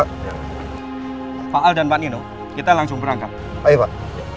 pak pak dan mbak nino kita langsung berangkat pak